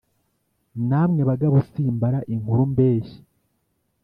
na mwe bagabo simbara inkuru mbeshya